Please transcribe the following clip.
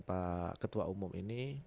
pak ketua umum ini